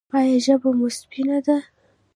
ایا ژبه مو سپینه ده؟